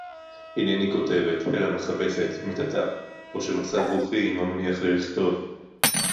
אינני כותבת, אלא מכבסת, מטאטאה, או שמצב־רוחי אינו מניח לי לכתוב.